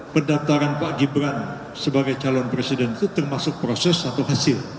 pendaftaran pak gibran sebagai calon presiden itu termasuk proses atau hasil